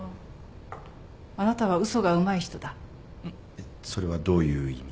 えっそれはどういう意味？